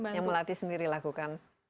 jadi apa yang melatih sendiri lakukan